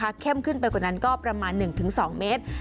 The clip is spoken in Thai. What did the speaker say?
ถ้าเข้มขึ้นไปกว่านั้นก็ประมาณ๑๒เมตร